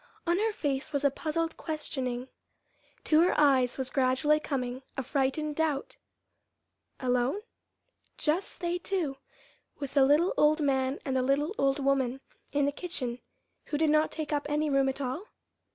On her face was a puzzled questioning. To her eyes was gradually coming a frightened doubt. Alone? just they two, with the little old man and the little old woman in the kitchen who did not take up any room at all?